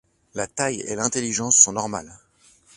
La taille et l'intelligence sont normales.